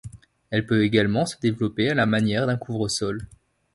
Elle peut également se développer à la manière d'un couvre-sol.